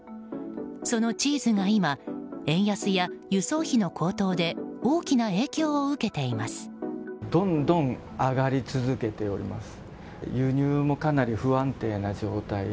そのチーズが今、円安や輸送費の高騰で大きな影響を受けています。